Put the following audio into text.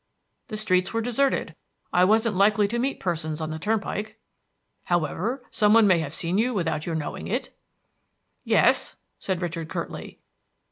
"The streets were deserted. I wasn't likely to meet persons on the turnpike." "However, some one may have seen you without your knowing it?" "Yes," said Richard curtly.